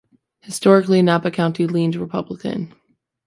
Historically, Napa County leaned Republican.